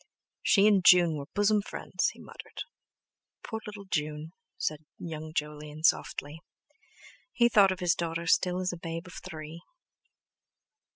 "She and June were bosom friends!" he muttered. "Poor little June!" said young Jolyon softly. He thought of his daughter still as a babe of three.